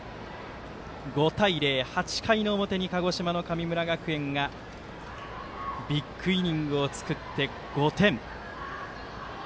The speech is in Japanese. ５対０、８回の表に鹿児島の神村学園がビッグイニングを作って５点。